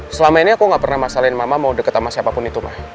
selama ini aku gak pernah masalahin mama mau deket sama siapapun itu mah